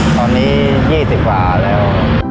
ตอนนี้๒๐ประมาณแล้ว